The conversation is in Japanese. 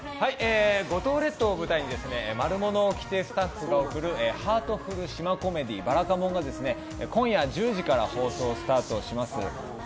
五島列島を舞台に「マルモのおきて」スタッフが贈るハートフル島コメディー「ばらかもん」が今夜１０時から放送スタートします。